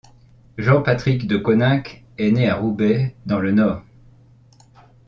Jean Patrick Deconinck est né à Roubaix, dans le Nord.